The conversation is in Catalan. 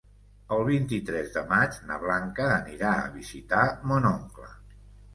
El vint-i-tres de maig na Blanca anirà a visitar mon oncle.